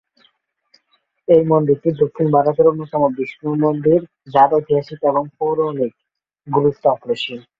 এই মন্দিরটি দক্ষিণ ভারতের অন্যতম বিষ্ণু মন্দির যার ঐতিহাসিক এবং পৌরাণিক গুরুত্ব অপরিসীম।